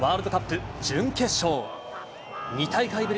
こちらはワールドカップ準決勝。